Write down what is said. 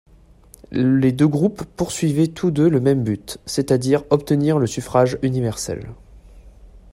Les deux groupes poursuivaient tous deux le même but, c’est-à-dire obtenir le suffrage universel.